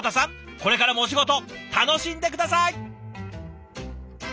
これからもお仕事楽しんで下さい。